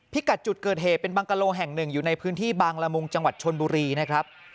กัดจุดเกิดเหตุเป็นบังกะโลแห่งหนึ่งอยู่ในพื้นที่บางละมุงจังหวัดชนบุรีนะครับ